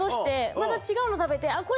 また違うの食べて。